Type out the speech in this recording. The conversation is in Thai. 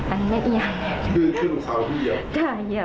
อันนี้แม่งอียางเนี่ย